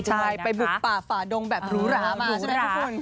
ใช่ไปบุกป่าฝ่าดงแบบหรูหรามาใช่ไหมทุกคน